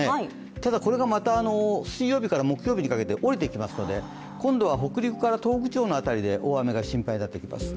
ただ、これがまた水曜日から木曜日にかけて下りてきますので、今度は北陸から東北地方の辺りで大雨が不安になってきます。